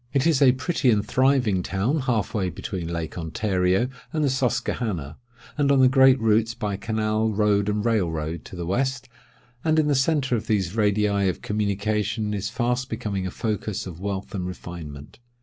It is a pretty and thriving town, half way between Lake Ontario and the Susquehanna, and on the great routes by canal, road, and rail road, to the west; and in the centre of these radii of communication is fast becoming a focus of wealth and refinement.